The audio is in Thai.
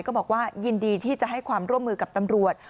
ก็บอกว่ายินดีที่จะให้ความร่วมมือกับตำรวจ